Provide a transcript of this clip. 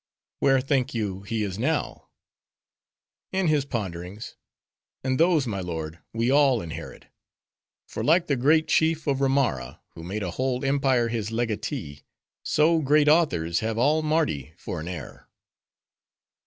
"Where think you, he is now?" "In his Ponderings. And those, my lord, we all inherit; for like the great chief of Romara, who made a whole empire his legatee; so, great authors have all Mardi for an heir."